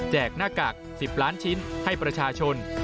หน้ากาก๑๐ล้านชิ้นให้ประชาชน